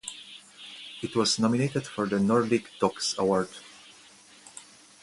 It was nominated for the Nordic Dox Award.